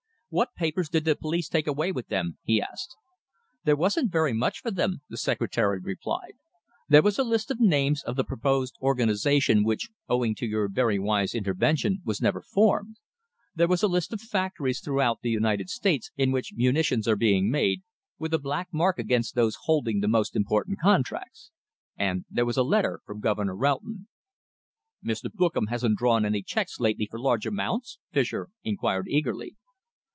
"What papers did the police take away with them?" he asked. "There wasn't very much for them," the secretary replied. "There was a list of the names of the proposed organisation which, owing to your very wise intervention, was never formed. There was a list of factories throughout the United States in which munitions are being made, with a black mark against those holding the most important contracts. And there was a letter from Governor Roughton." "Mr. Bookam hasn't drawn any cheques lately for large amounts?" Fischer inquired eagerly.